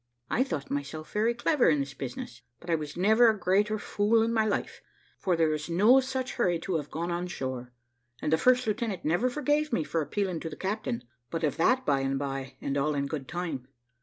"I thought myself very clever in this business, but I was never a greater fool in my life; for there was no such hurry to have gone on shore, and the first lieutenant never forgave me for appealing to the captain but of that by and bye, and all in good time.